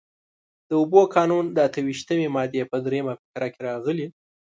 د اوبو قانون د اته ویشتمې مادې په درېیمه فقره کې راغلي.